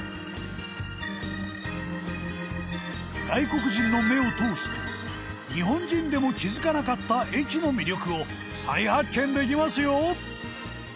外国人の目を通すと日本人でも気付かなかった駅の魅力を再発見できますよ！